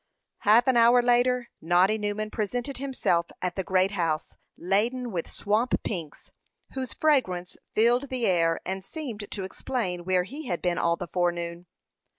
Half an hour later, Noddy Newman presented himself at the great house, laden with swamp pinks, whose fragrance filled the air, and seemed to explain where he had been all the forenoon.